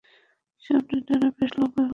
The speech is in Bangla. সামনের ডানা বেশ লম্বা এবং শীর্ষ গোলাকার।